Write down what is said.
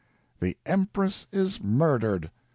"The Empress is murdered!"